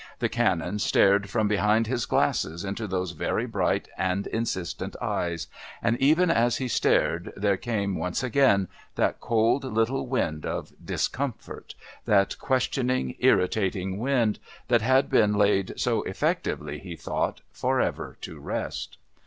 The Canon stared from behind his glasses into those very bright and insistent eyes, and even as he stared there came once again that cold little wind of discomfort, that questioning, irritating wind, that had been laid so effectively, he thought, for ever to rest.